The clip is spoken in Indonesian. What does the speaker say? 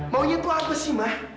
mau nyepo apa sih mak